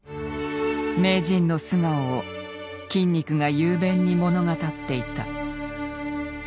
名人の素顔を筋肉が雄弁に物語っていた。